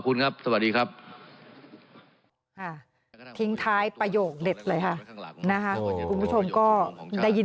อุ้ยไปเปรียบเที่ยวมันยังไม่โกรธตายหรอ